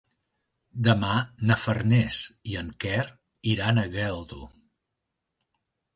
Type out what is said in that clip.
Demà na Farners i en Quer iran a Geldo.